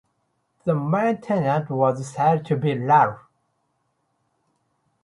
The main tenant was said to be Ralph.